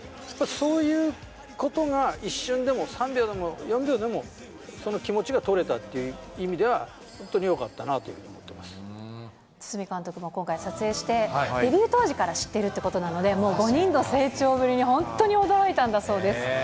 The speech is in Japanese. そういうことが一瞬でも、３秒でも４秒でも、その気持ちが撮れたっていう意味では、本当によかったなというふ堤監督も今回、撮影して、デビュー当時から知っているということなので、もう５人の成長ぶりに本当に驚いたんだそうです。